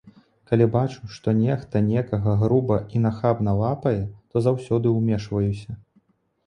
Калі бачу, што нехта некага груба і нахабна лапае, то заўсёды ўмешваюся.